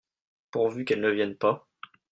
Pourvu qu'elles ne viennent pas !